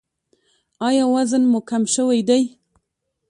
ایا وزن مو کم شوی دی؟